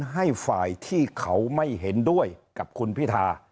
ให้ฝ่ายที่เขาไม่เห็นด้วยกับคุณพิธา